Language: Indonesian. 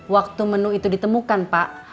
waktu menu itu ditemukan pak